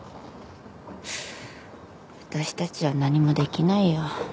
私たちは何もできないよ。